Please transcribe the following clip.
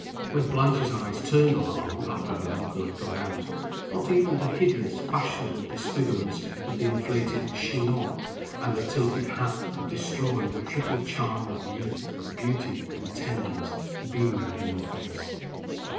When Blanche's eyes turned on Arnold after her uncle had gone out, not even the hideous fashionable disfigurements of the inflated "chignon" and the tilted hat could destroy the triple charm of youth, beauty, and tenderness beaming in her face.